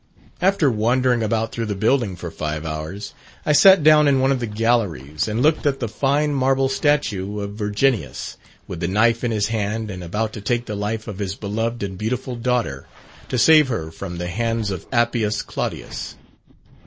After wandering about through the building for five hours, I sat down in one of the galleries and looked at the fine marble statue of Virginius, with the knife in his hand and about to take the life of his beloved and beautiful daughter, to save her from the hands of Appius Claudius.